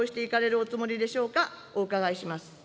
お伺いします。